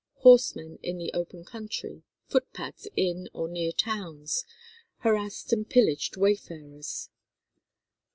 Horsemen in the open country, footpads in or near towns, harassed and pillaged wayfarers.